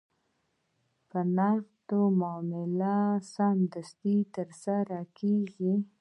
په نقد معامله سمدستي ترسره کېږي.